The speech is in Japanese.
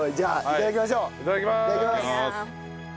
いただきます。